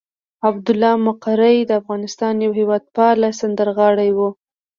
عبدالله مقری د افغانستان یو هېواد پاله سندرغاړی وو.